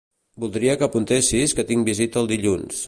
Voldria que apuntessis que tinc visita el dilluns.